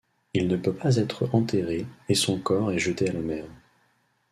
Il ne peut pas être enterré et son corps est jeté à la mer.